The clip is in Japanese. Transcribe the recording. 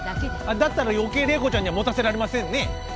だったら余計麗子ちゃんには持たせられませんね。